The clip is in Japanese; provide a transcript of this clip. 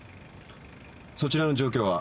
そちらの状況は？